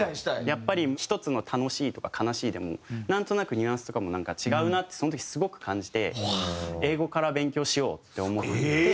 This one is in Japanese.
やっぱり１つの「楽しい」とか「悲しい」でもなんとなくニュアンスとかもなんか違うなってその時すごく感じて英語から勉強しようって思って。